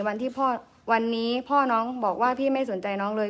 วันที่พ่อวันนี้พ่อน้องบอกว่าพี่ไม่สนใจน้องเลย